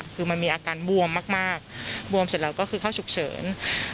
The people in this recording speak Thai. คือมันมีอาการบวมมากบวมเสร็จแล้วก็คือเข้าฉุกเฉิน